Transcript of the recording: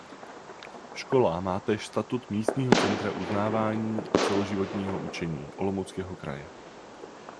Škola má též statut Místního centra uznávání a celoživotního učení Olomouckého kraje.